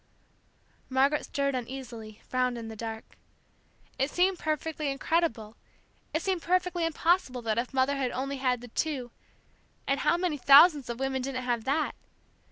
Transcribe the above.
Margaret stirred uneasily, frowned in the dark. It seemed perfectly incredible, it seemed perfectly impossible that if Mother had had only the two and how many thousands of women didn't have that!